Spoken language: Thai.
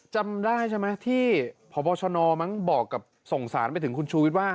จำได้ใช่ไหมที่พบชนมั้งบอกกับส่งสารไปถึงคุณชูวิทย์ว่า